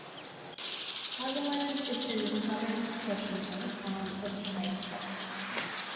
Haviland is in the southern portion of the town of Hyde Park.